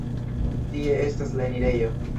Tie estas la enirejo.